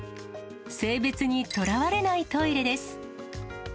性別にとらわれないトイレです。